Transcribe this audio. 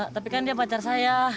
tapi kan dia pacar saya